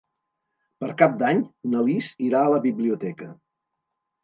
Per Cap d'Any na Lis irà a la biblioteca.